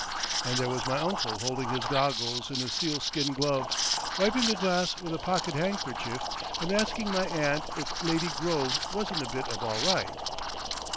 And there was my uncle holding his goggles in a sealskin glove, wiping the glass with a pocket handkerchief, and asking my aunt if Lady Grove wasn't a "Bit of all Right."